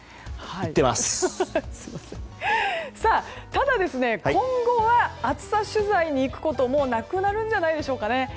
ただ、今後は暑さ取材に行くこともなくなるんじゃないでしょうか。